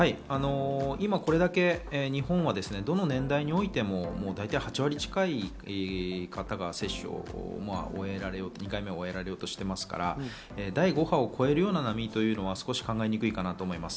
今これだけ日本はどの年代においても大体８割近い方が接種を終えられようとしていますから、第５波を超えるような波というのは少し考えにくいかなと思います。